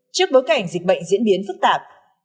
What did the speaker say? trước bối cảnh dịch bệnh diễn biến phức tạp